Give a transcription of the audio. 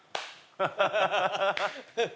ハハハハッ。